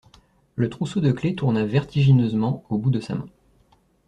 Le trousseau de clef tourna vertigineusement au bout de sa main.